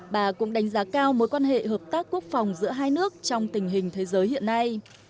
bà cũng đánh giá cao mối quan hệ hợp tác quốc phòng giữa hai nước trong tình hình thế giới hiện nay